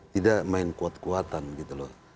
tidak main kuat kuatan gitu loh